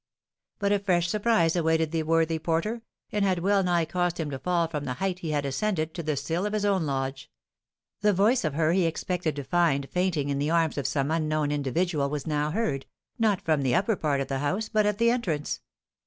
But a fresh surprise awaited the worthy porter, and had well nigh caused him to fall from the height he had ascended to the sill of his own lodge, the voice of her he expected to find fainting in the arms of some unknown individual was now heard, not from the upper part of the house, but at the entrance!